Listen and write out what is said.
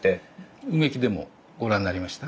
埋木でもご覧になりました？